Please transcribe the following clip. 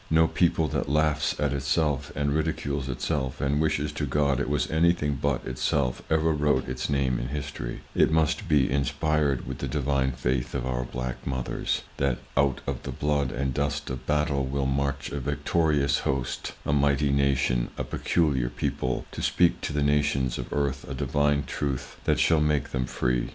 No people that laughs at itself, and ridicules itself, and wishes to God it was anything but itself ever wrote its name in history; it must be inspired with the Divine faith of our black mothers, that out of the blood and dust of battle will march a victorious host, a mighty nation, a peculiar people, to speak to the nations of earth a Divine truth that shall make them free.